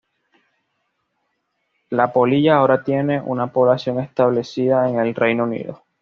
La polilla ahora tiene una población establecida en el Reino Unido.